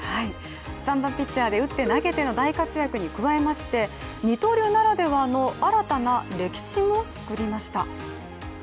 ３番・ピッチャーで打って投げての大活躍に加えまして、二刀流ならではの新たな歴史も作りました。